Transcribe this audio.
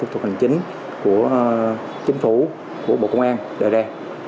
thủ tục hành chính của chính phủ của bộ công an đề ra